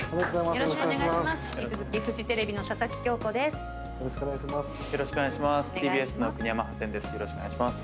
よろしくお願いします。